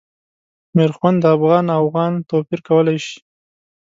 میرخوند د افغان او اوغان توپیر کولای شي.